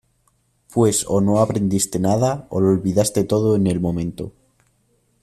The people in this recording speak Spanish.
pues o no aprendiste nada, o lo olvidaste todo en el momento